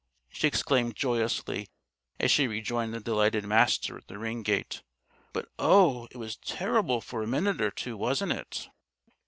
she exclaimed joyously as she rejoined the delighted Master at the ring gate. "But, oh, it was terrible for a minute or two, wasn't it?"